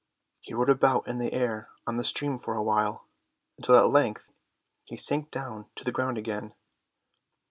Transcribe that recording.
He rode about in the air on the steam for a while, until at length he sank down to the ground again.